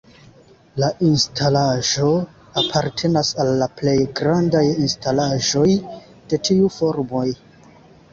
La instalaĵo apartenas al la plej grandaj instalaĵoj de tiu formoj.